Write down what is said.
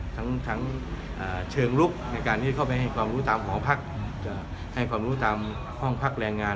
ทั้งเชิงลุกในการที่เข้าไปให้ความรู้ตามหอพักจะให้ความรู้ตามห้องพักแรงงาน